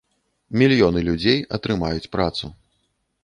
Мільёны людзей атрымаюць працу.